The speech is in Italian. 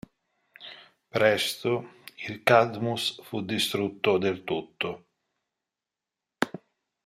Presto, il Cadmus fu distrutto del tutto.